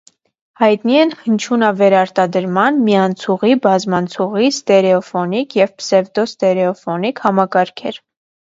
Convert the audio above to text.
Հայտնի են հնչյունավերարտադրման միաանցուղի, բազմանցուղի, ստերեոֆոնիկ և պսևդոստերեոֆոնիկ համակարգեր։